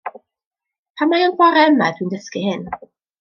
Pam mai ond bore yma ydw i'n dysgu hyn?